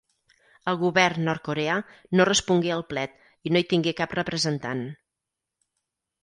El govern nord-coreà no respongué al plet i no hi tingué cap representant.